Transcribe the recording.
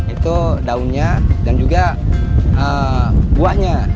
itu daunnya dan juga buahnya